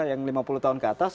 yang lima puluh tahun ke atas